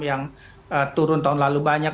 yang turun tahun lalu banyak